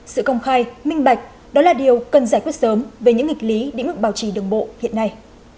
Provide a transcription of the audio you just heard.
sự công khai minh bạch đó là điều cần giải quyết sớm về những nghịch lý lĩnh vực bảo trì đường bộ hiện nay